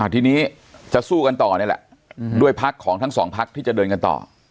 ทีนี้จะสู้กันต่อนี่แหละด้วยพักของทั้งสองพักที่จะเดินกันต่อ